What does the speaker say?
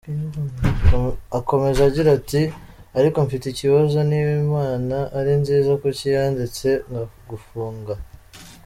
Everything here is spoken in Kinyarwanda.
Akomeza agira ati” Ariko mfite ikibazo, niba Imana ari nziza kuki yandetse nkagufunga?”.